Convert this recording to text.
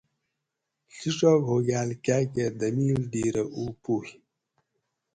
ڷیڄاگ ھوگال کاکہ دمیل ڈھیرہ او پوگ